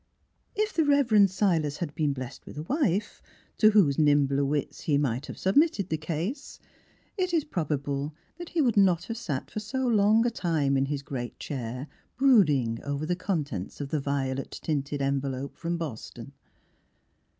57 The Transfiguration of If the Rev. Silas had been blessed with a wife, to whose nimbler wits he might have submitted the case, it is prob able that he would not have sat for so long a time in his great chair brooding over the contents of the violet tinted envelope from Boston.